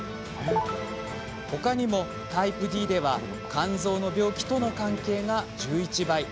他にも、タイプＤでは肝臓の病気との関係が１１倍。